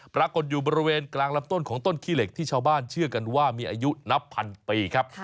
ปรากฏอยู่บริเวณกลางลำต้นของต้นขี้เหล็กที่ชาวบ้านเชื่อกันว่ามีอายุนับพันปีครับ